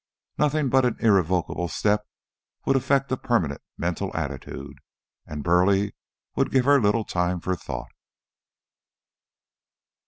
Nothing but an irrevocable step would affect a permanent mental attitude, and Burleigh would give her little time for thought.